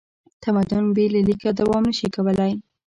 تمدن بې له لیکه دوام نه شي کولی.